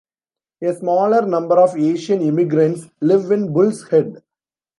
A smaller number of Asian immigrants live in Bulls Head.